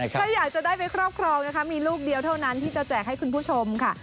ถ้าอยากจะได้ไปครอบครองนะคะมีลูกเดียวเท่านั้นที่จะแจกให้คุณผู้ชมค่ะ